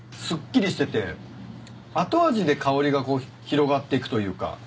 すっきりしてて後味で香りが広がっていくというか。